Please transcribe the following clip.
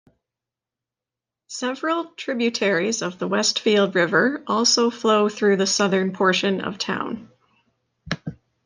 Several tributaries of the Westfield River also flow through the southern portion of town.